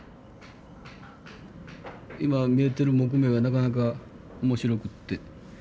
今見えてる木目がなかなか面白くって。